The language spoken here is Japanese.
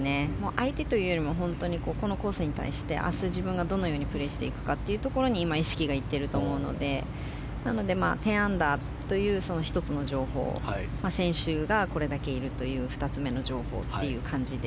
相手というよりこのコースに対して明日自分がどのようにプレーしていくかというところに意識がいっていると思うので１０アンダーという１つの情報選手がこれだけいるという２つ目の情報という感じで。